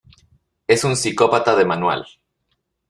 Es un psicópata de manual.